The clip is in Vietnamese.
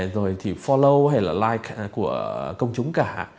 rồi thì follow hay là like của công chúng cả